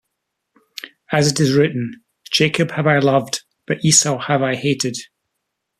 As it is written, Jacob have I loved, but Esau have I hated.